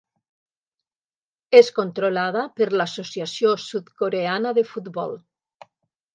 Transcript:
És controlada per l'Associació Sud-Coreana de Futbol.